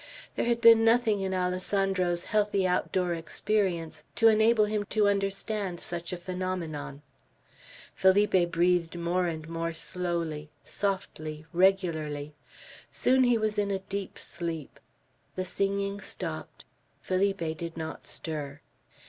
There had been nothing in Alessandro's healthy outdoor experience to enable him to understand such a phenomenon. Felipe breathed more and more slowly, softly, regularly; soon he was in a deep sleep. The singing stopped; Felipe did not stir.